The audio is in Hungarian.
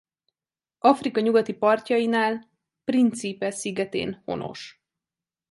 Afrika nyugati partjainál Príncipe szigetén honos.